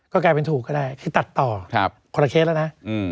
ก็กลายเป็นถูกก็ได้คือตัดต่อคนละเคสแล้วนะ